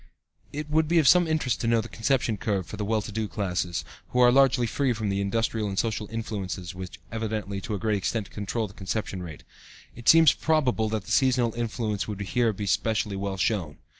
It would be of some interest to know the conception curve for the well to do classes, who are largely free from the industrial and social influences which evidently, to a great extent, control the conception rate. It seems probable that the seasonal influence would here be specially well shown.